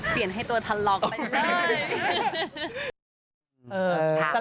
เปลี่ยนให้ตัวทันลองไปเลย